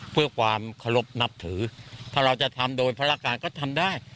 เพื่อความเคารพนับถือถ้าเราจะทำโดยภารการก็ทำได้